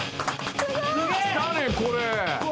きたねこれ！